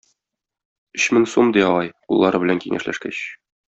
Өч мең сум, - ди агай, уллары белән киңәшләшкәч.